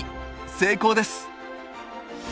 成功です！